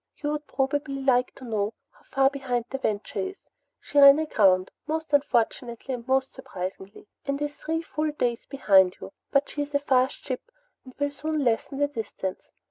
"You would probably like to know how far behind the Venture is. She ran aground most unfortunately and most surprisingly and is three full days behind you. But she is a fast ship and will soon lessen the distance.